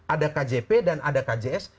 ada kjp dan ada kjs